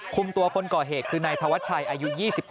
คุมตัวคนก่อเหตุคือนายธวัชชัยอายุ๒๖